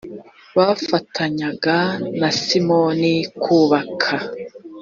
bafatanyaga na simoni kubaka